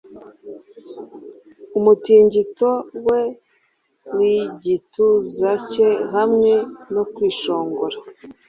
Umutingito we wigituza cye hamwe no kwishongora